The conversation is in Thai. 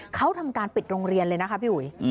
เขาทำการปิดโรงเรียนเลยนะคะพี่อุ๋ย